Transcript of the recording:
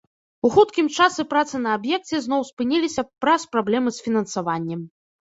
У хуткім часе працы на аб'екце зноў спыніліся праз праблемы з фінансаваннем.